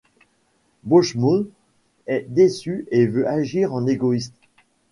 Buchsbaum est déçu et veut agir en égoïste.